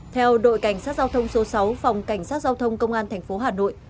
theo đội cảnh sát giao thông số sáu phòng cảnh sát giao thông công an thành phố hà nội